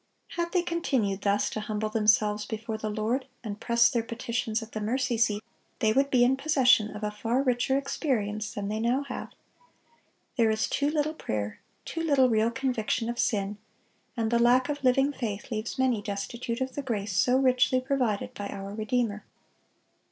Had they continued thus to humble themselves before the Lord, and press their petitions at the mercy seat, they would be in possession of a far richer experience than they now have. There is too little prayer, too little real conviction of sin, and the lack of living faith leaves many destitute of the grace so richly provided by our Redeemer.